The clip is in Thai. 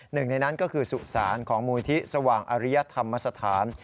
หนึ่งในนั้นก็คือสุสานของมูลที่สว่างอริยธรรมสถาน